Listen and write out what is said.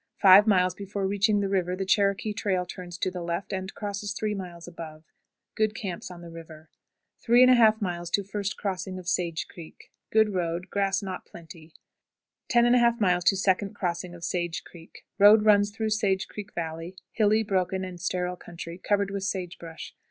Five miles before reaching the river the Cherokee trail turns to the left, and crosses three miles above. Good camps on the river. 3 1/2. First Crossing of Sage Creek. Good road. Grass not plenty. 10 1/2. Second Crossing of Sage Creek. Road runs through Sage Creek Valley; hilly, broken, and sterile country, covered with sage brush.